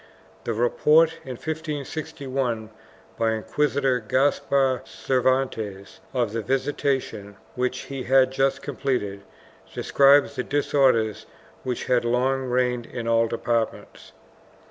The report, in 1561, by Inquisitor Gaspar Cervantes of the visitation which he had just completed, describes the disorders which had long reigned in all departments.